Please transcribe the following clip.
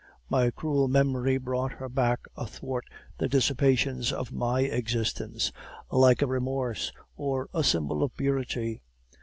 My cruel memory brought her back athwart the dissipations of my existence, like a remorse, or a symbol of purity.